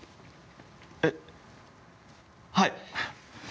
えっはい！